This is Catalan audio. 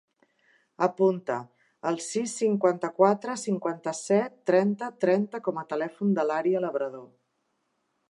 Apunta el sis, cinquanta-quatre, cinquanta-set, trenta, trenta com a telèfon de l'Aria Labrador.